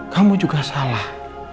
kamu juga salah